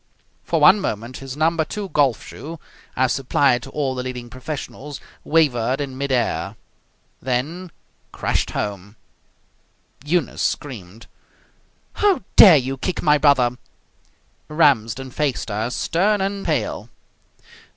For one moment his number II golf shoe, as supplied to all the leading professionals, wavered in mid air, then crashed home. Eunice screamed. "How dare you kick my brother!" Ramsden faced her, stern and pale.